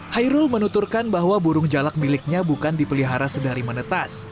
hairul menuturkan bahwa burung jalak miliknya bukan dipelihara sedari menetas